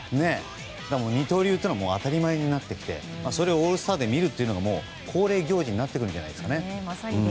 二刀流が当たり前になってきてそれをオールスターで見るのが恒例行事になってくるんじゃないですかね。